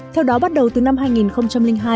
theo đó bắt đầu từ năm hai nghìn hai